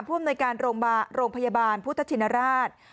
อำนวยการโรงพยาบาลพุทธชินราช